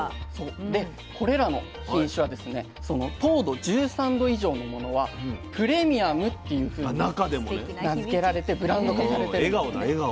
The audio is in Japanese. でこれらの品種はですね糖度１３度以上のものは「プレミアム」っていうふうに名付けられてブランド化されてるんですね。